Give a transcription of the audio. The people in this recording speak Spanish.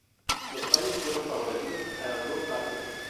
Los fallos fueron favoreciendo a las dos partes.